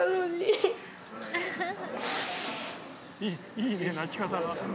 いいね泣き方が。